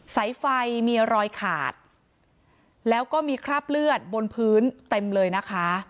สายไฟมีรอยขาดแล้วก็มีคราบเลือดบนพื้นเต็มเลยนะคะ